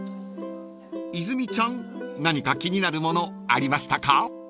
［泉ちゃん何か気になるものありましたか？］